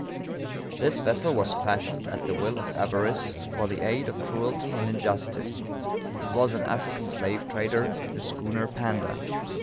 This vessel was fashioned, at the will of avarice, for the aid of cruelty and injustice; it was an African slaver the schooner Panda.